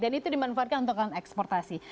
jadi itu dimanfaatkan untuk eksportasi